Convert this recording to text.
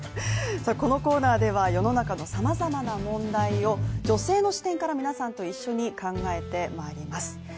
このコーナーでは世の中の様々な問題を、女性の視点から皆さんと一緒に考えてまいります。